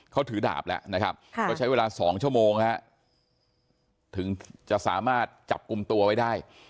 เขาถือดาบแล้วนะครับก็ใช้เวลา๒ชั่วโมงฮะถึงจะสามารถจับกลุ่มตัวไว้ได้